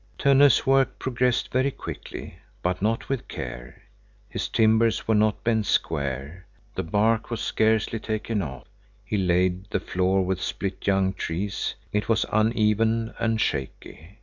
Tönne's work progressed very quickly, but not with care. His timbers were not bent square, the lark was scarcely taken off. He laid the floor with split young trees. It was uneven and shaky.